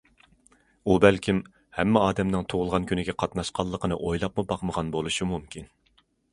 ئۇ بەلكىم ھەممە ئادەمنىڭ تۇغۇلغان كۈنىگە قاتناشقانلىقىنى ئويلاپمۇ باقمىغان بولۇشى مۇمكىن.